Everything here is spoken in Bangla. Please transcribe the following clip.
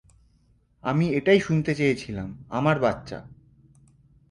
আমি এটাই শুনতে চেয়েছিলাম, আমার বাচ্চা।